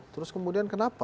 terus kemudian kenapa